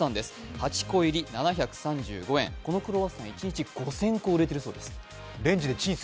８個入り７３５円、このクロワッサン、一日５０００個売れているそうです。